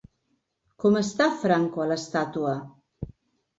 Com està Franco a l'estàtua?